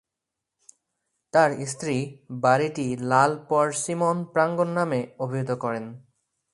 তাঁর স্ত্রী বাড়িটি 'লাল পার্সিমন প্রাঙ্গণ' নামে অভিহিত করেন।